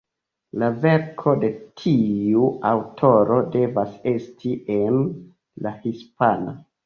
La verko de tiu aŭtoro devas esti en la hispana.